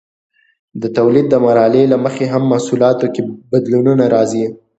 د تولید د مرحلې له مخې هم په محصولاتو کې بدلونونه راځي.